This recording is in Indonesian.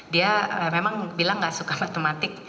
dia memang bilang gak suka matematik